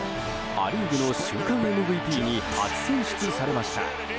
ア・リーグの週間ＭＶＰに初選出されました。